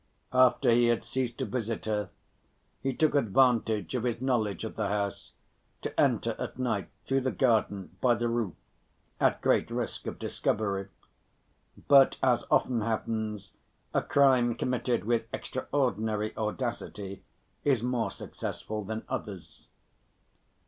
After he had ceased to visit her, he took advantage of his knowledge of the house to enter at night through the garden by the roof, at great risk of discovery. But, as often happens, a crime committed with extraordinary audacity is more successful than others.